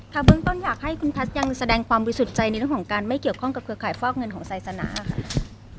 เบื้องต้นอยากให้คุณแพทย์ยังแสดงความบริสุทธิ์ใจในเรื่องของการไม่เกี่ยวข้องกับเครือข่ายฟอกเงินของไซสนาค่ะ